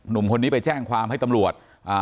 หนุ่มคนนี้ไปแจ้งความให้ตำรวจ